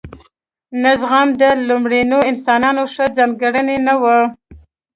نه زغم د لومړنیو انسانانو ښه ځانګړنه نه وه.